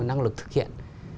năng lực thực hiện